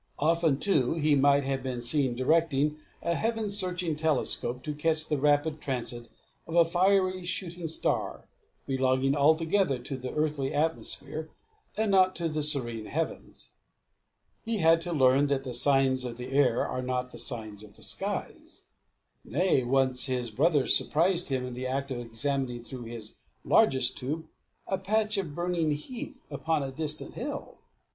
Often, too, he might have been seen directing a heaven searching telescope to catch the rapid transit of a fiery shooting star, belonging altogether to the earthly atmosphere, and not to the serene heavens. He had to learn that the signs of the air are not the signs of the skies. Nay, once, his brother surprised him in the act of examining through his longest tube a patch of burning heath upon a distant hill.